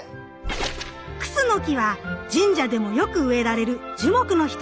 ⁉クスノキは神社でもよく植えられる樹木の一つ。